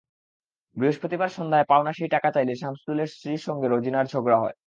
বৃহস্পতিবার সন্ধ্যায় পাওনা সেই টাকা চাইলে শামসুলের স্ত্রীর সঙ্গে রোজিনার ঝগড়া হয়।